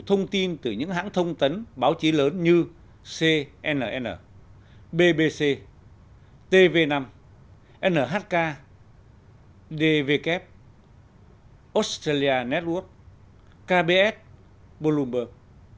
thông tin từ những hãng thông tấn báo chí lớn như cnn bbc tv năm nhk dvk australia network kbs bollomberg